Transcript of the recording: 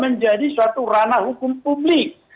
menjadi suatu ranah hukum publik